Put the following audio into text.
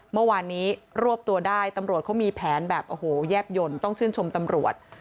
เมื่อวานนี้รวบตัวได้ตำรวจเขามีแผนแบบโอ้โหแยบยนต์ต้องชื่นชมตำรวจ